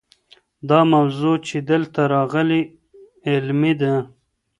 دا موضوع چې دلته راغلې علمي ده.